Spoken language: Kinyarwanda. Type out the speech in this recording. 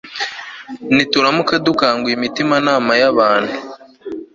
Nituramuka dukanguye imitimanama yabantu